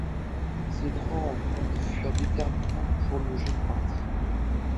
Ces trois rencontres furent déterminantes pour le jeune peintre.